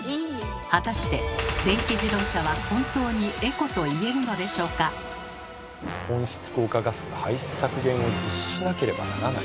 果たして温室効果ガスの排出削減を実施しなければならない。